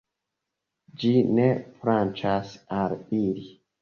Ĝi ne plaĉas al ili.